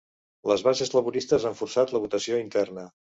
Les bases laboristes han forçat la votació interna